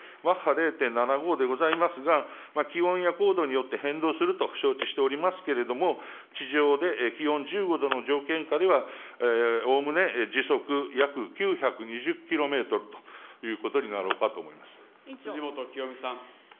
０．７５でございますが、気温や高度によって変動すると承知しておりますけれども、地上で気温１５度の条件下では、おおむね時速約９２０キロメートルとい辻元清美さん。